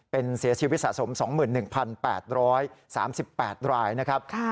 เป็นเสียชีวิตสะสม๒๑๘๓๘รายนะครับ